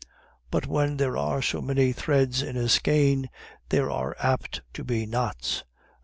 "But when there are so many threads in a skein, there are apt to be knots.